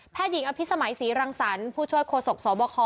แพทย์หญิงอภิษฐธรรมิสีรังสรรค์ผู้ช่วยโคสกสวบคอ